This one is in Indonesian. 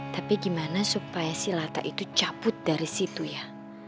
tapi gimana supaya silata itu cabut dari situ ya